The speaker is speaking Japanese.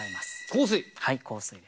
はい「香水」です。